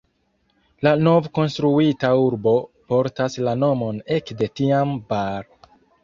La novkonstruita urbo portas la nomon ekde tiam "Bar".